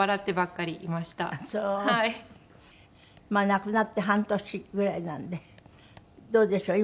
亡くなって半年ぐらいなんでどうでしょう？